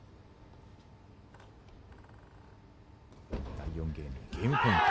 第４ゲームゲームポイント。